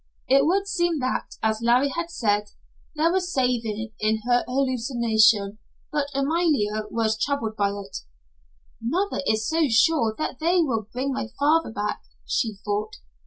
It would seem that, as Larry had said, there was saving in her hallucination, but Amalia was troubled by it. "Mother is so sure they will bring my father back," she thought.